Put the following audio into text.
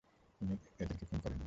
উনি ওদেরকে খুন করেননি।